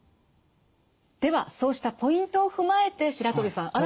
ではそうしたポイントを踏まえて白鳥さん